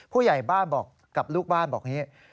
ผู้ใหญ่บ้านบอกกับลูกบ้านบอกอย่างนี้